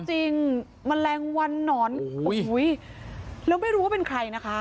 จริงมะแรงวันนอนอุ้ยแล้วไม่รู้ว่าเป็นใครนะคะ